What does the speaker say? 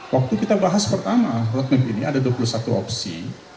waktu kita bahas pertama roadmap ini ada dua puluh satu opsi